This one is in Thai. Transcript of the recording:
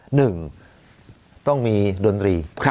หนึ่งต้องมีดนตรี